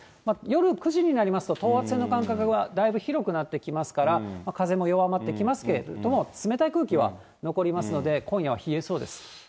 夜９時になりますと、等圧線の間隔はだいぶ広くなってきますから、風も弱まってきますけれども、冷たい空気は残りますので、今夜は冷えそうです。